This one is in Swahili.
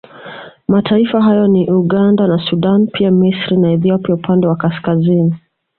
Mataifa hayo ni Uganda na Sudan pia Misri na Ethiopia upande wa kaskazini